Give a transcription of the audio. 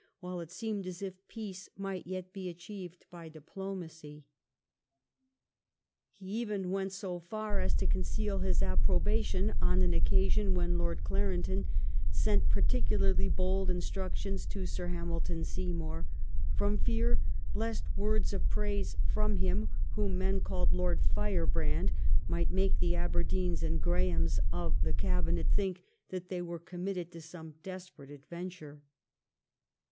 158 while it seemed as if peace might yet he achieved hy diplomacy* He even went so far as to conceal his approbation on an occasion when Lord Clarendon sent particalarly hold directions to Sir Hamilton Seymonr, from fear lest words of praise from him whom men ealled ''Lord Firehrand/' might make the Aherdeens and Grahams of the Cabinet think that they were com mitted to some desperate adventure.